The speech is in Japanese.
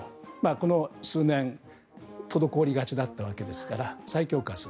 この数年滞りがちだったわけですから再強化する。